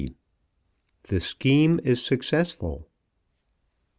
THE SCHEME IS SUCCESSFUL.